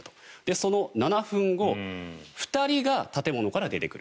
その７分後２人が建物から出てくる。